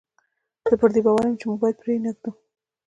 زه پر دې باور یم چې موږ باید پرې نه ږدو.